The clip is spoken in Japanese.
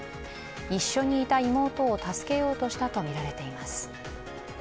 一緒にいた妹を助けようとしたとみられています。